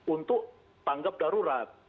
untuk tanggap darurat